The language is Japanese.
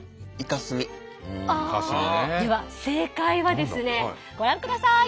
では正解はですねご覧ください！